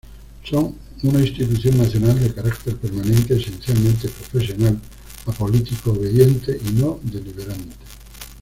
Son una Institución Nacional de carácter permanente, esencialmente profesional, apolítico, obediente y no deliberante.